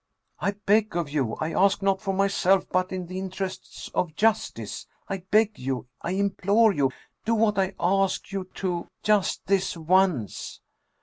" I beg of you ! I ask, not for myself, but in the inter ests of justice. I beg you! I implore you! Do what I ask you to, just this once